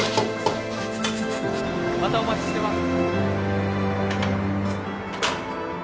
またお待ちしてます